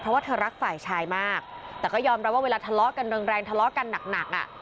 เพราะว่าเธอรักฝ่ายชายมากแต่ก็ยอมรับว่าเวลาทะเลาะกันแรงแรงทะเลาะกันหนักหนักอ่ะ